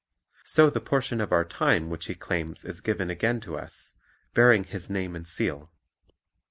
So the portion • of our time which He claims is given again to us, bearing His name and seal.